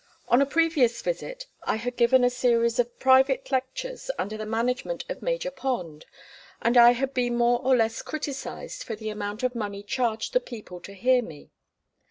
On a previous visit I had given a series of private lectures, under the management of Major Pond, and I had been more or less criticised for the amount of money charged the people to hear me.